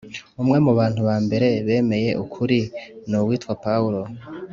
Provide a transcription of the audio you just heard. Umwe mu bantu ba mbere bemeye ukuri ni uwitwa Paulo